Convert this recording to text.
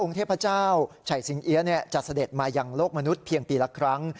เทพเจ้าชัยสิงเอี๊ยจะเสด็จมายังโลกมนุษย์เพียงปีละครั้ง